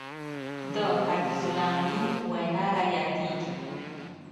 د حفیظ الله امین وینا را یادېږي.